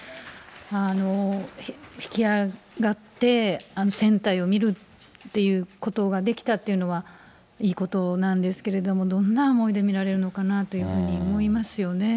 引き揚がって、船体を見るっていうことができたというのはいいことなんですけれども、どんな思いで見られるのかなというふうに思いますよね。